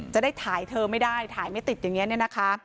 จะได้ถ่ายเธอไม่ได้ถ่ายไม่ติดอย่างนี้เนี่ยนะคะ